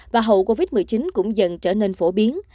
và hậu covid một mươi chín cũng dần trở nên phổ biến